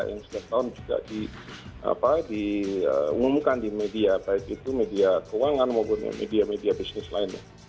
yang setiap tahun juga diumumkan di media baik itu media keuangan maupun media media bisnis lainnya